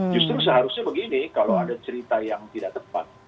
justru seharusnya begini kalau ada cerita yang tidak tepat